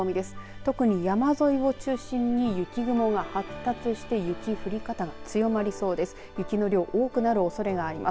特に山沿いを中心に雪雲が発達して雪の降り方が強まりそうです。